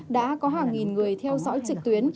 đã có hàng nghìn người theo dõi trực tuyến